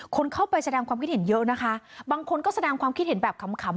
คนเข้าไปแสดงความคิดเห็นเยอะนะคะบางคนก็แสดงความคิดเห็นแบบขำ